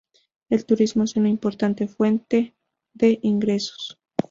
El turismo es una importante fuente de ingresos.